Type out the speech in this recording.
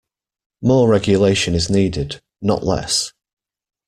More regulation is needed, not less.